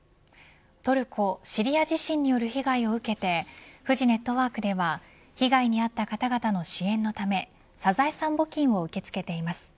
トルコ・シリア地震による被害を受けてフジネットワークでは被害に遭った方々の支援のためサザエさん募金を受け付けています。